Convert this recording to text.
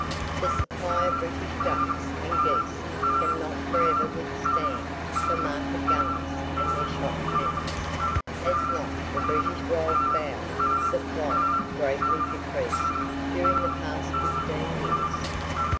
The supply of British ducks and geese can not forever withstand the market gunners and their shot cannons. Has not the British wild fowl supply greatly decreased during the past fifteen years?